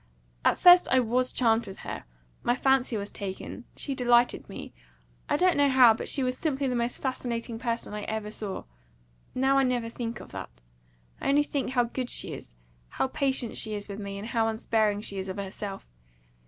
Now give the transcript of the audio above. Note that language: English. At first I WAS charmed with her my fancy was taken; she delighted me I don't know how; but she was simply the most fascinating person I ever saw. Now I never think of that. I only think how good she is how patient she is with me, and how unsparing she is of herself.